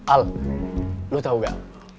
al lo tau gak